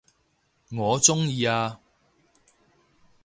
我鍾意啊